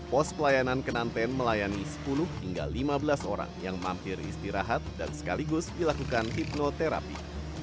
pos pelayanan kenanten melayani sepuluh hingga lima belas orang yang mampir istirahat dan sekaligus dilakukan hipnoterapi